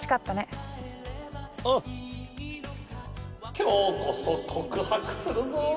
今日こそ告白するぞ！